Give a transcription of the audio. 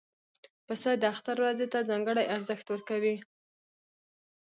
پسه د اختر ورځې ته ځانګړی ارزښت ورکوي.